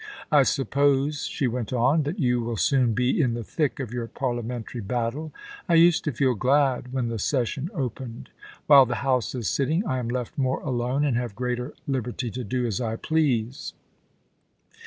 ... I suppose,* she went on, * that you will soon be in the thick of your Parliamentary battle. I used to feel glad when the Session opened. While the House is sitting I am left more alone, and have greater liberty to do as I please.